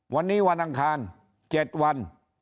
วันนี้วันอังคาร๗วัน